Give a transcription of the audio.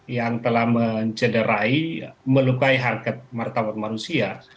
yang telah mencederai melukai harkat martabat manusia